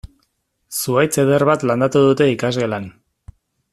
Zuhaitz eder bat landatu dute ikasgelan.